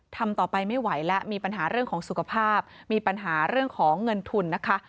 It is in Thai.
ทำต่อไปไม่ไหวแล้วมีปัญหาเรื่องของสุขภาพมีปัญหาเรื่องของเงินทุนนะคะ